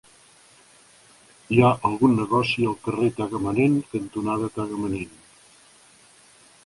Hi ha algun negoci al carrer Tagamanent cantonada Tagamanent?